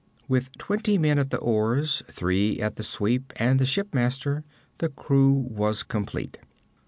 With twenty men at the oars, three at the sweep, and the shipmaster, the crew was complete.